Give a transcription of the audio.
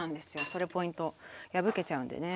それポイント破けちゃうんでね。